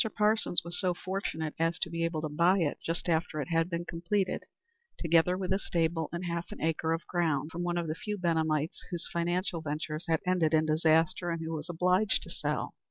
Parsons was so fortunate as to be able to buy it just after it had been completed, together with a stable and half an acre of ground, from one of the few Benhamites whose financial ventures had ended in disaster, and who was obliged to sell.